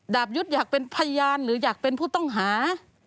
ดาบยุทธ์อยากเป็นพยานหรืออยากเป็นผู้ต้องหา